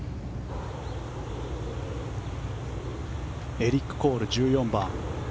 エリック・コール１４番。